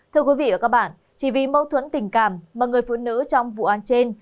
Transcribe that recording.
thưa quý vị và các bạn chỉ vì mâu thuẫn tình cảm mà người phụ nữ trong vụ án trên